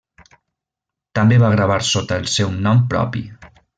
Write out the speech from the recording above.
També va gravar sota el seu nom propi.